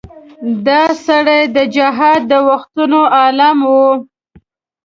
دا سړی د جهاد د وختونو عالم و.